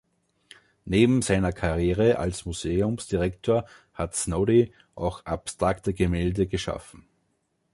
Neben seiner Karriere als Museumsdirektor hat Snoddy auch abstrakte Gemälde geschaffen.